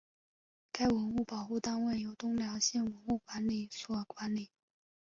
该文物保护单位由东辽县文物管理所管理。